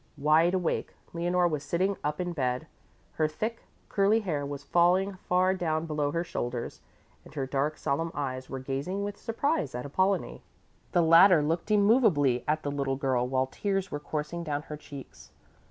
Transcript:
Wide awake, Leonore was sitting up in bed. Her thick, curly hair was falling far down below her shoulders, and her dark, solemn eyes were gazing with surprise at Apollonie. The latter looked immovably at the little girl, while tears were coursing down her cheeks.